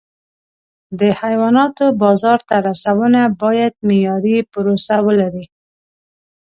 د حیواناتو بازار ته رسونه باید معیاري پروسه ولري.